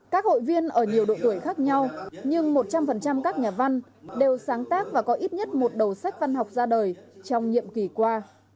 các hội viên ở nhiều độ tuổi khác nhau nhưng một trăm linh các nhà văn đều sáng tác và có ít nhất một đầu sách văn học ra đời trong nhiệm kỳ qua